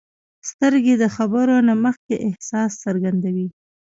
سترګې د خبرو نه مخکې احساس څرګندوي